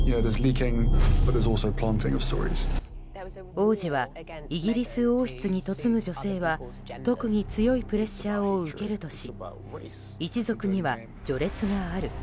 王子はイギリス王室に嫁ぐ女性は特に強いプレッシャーを受けるとし一族には序列がある。